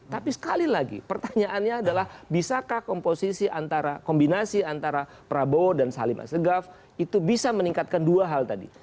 tapi sekali lagi pertanyaannya adalah bisakah komposisi antara kombinasi antara prabowo dan salim asegaf itu bisa meningkatkan dua hal tadi